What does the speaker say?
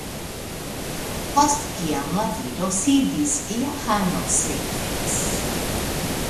Post kiam la viro sidis, Johano sekvis.